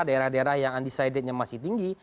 daerah daerah yang undecidednya masih tinggi